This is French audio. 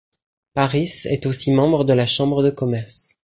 Pâris est aussi membre de la chambre de commerce.